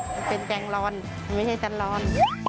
มันเป็นแจงรอนไม่ใช่จันรอน